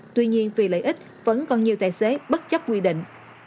tuy nhiên vì lợi ích vẫn còn nhiều tài xế bất chấp quy định